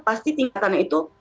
pasti tingkatannya itu